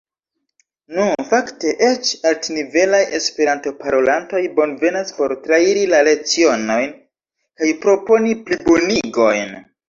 Nu, fakte eĉ altnivelaj Esperanto-parolantoj bonvenas por trairi la lecionojn kaj proponi plibonigojn.